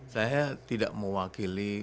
saya tidak mewakili